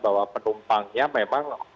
bahwa penumpangnya memang